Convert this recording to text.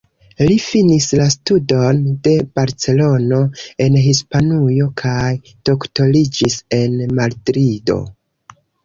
Li finis la studon je Barcelono en Hispanujo kaj doktoriĝis en Madrido.